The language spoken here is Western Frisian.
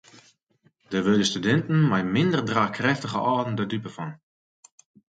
Dêr wurde studinten mei minder draachkrêftige âlden de dupe fan.